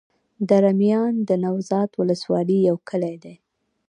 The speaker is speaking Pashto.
دره میان د نوزاد ولسوالي يو کلی دی.